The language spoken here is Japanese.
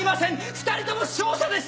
２人とも勝者です。